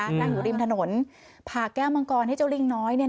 นั่งอยู่ริมถนนผ่าแก้วมังกรให้เจ้าลิงน้อย